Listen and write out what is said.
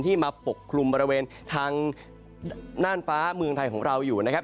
มาปกคลุมบริเวณทางน่านฟ้าเมืองไทยของเราอยู่นะครับ